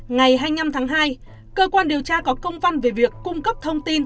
ngày hai mươi năm tháng hai cơ quan điều tra có công văn về việc cung cấp thông tin